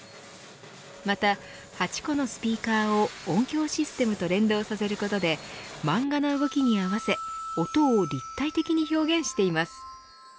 また、８個のスピーカーを音響システムと連動させることで漫画の動きに合わせ音を立体的に表現しています。